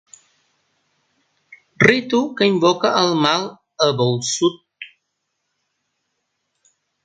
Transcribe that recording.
Ritu que invoca el mal abolsut.